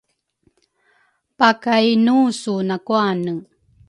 pakainusu nakuane.